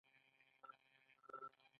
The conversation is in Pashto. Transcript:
آیا د اوسپنې پټلۍ به وصل شي؟